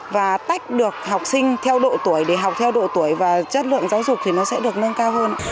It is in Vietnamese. và tách được học sinh theo độ tuổi để học theo độ tuổi và chất lượng giáo dục thì nó sẽ được nâng cao hơn